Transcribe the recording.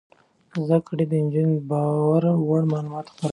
زده کړې نجونې د باور وړ معلومات خپروي.